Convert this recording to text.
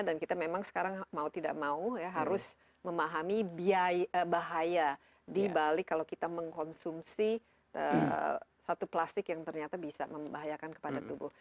dan kita memang sekarang mau tidak mau ya harus memahami bahaya dibalik kalau kita mengkonsumsi satu plastik yang ternyata bisa membahayakan kepada tubuh